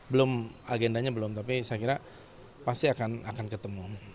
belum agendanya belum tapi saya kira pasti akan ketemu